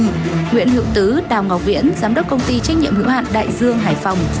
nguyễn hữu tứ đào ngọc viễn giám đốc công ty trách nhiệm hữu hạn đại dương hải phòng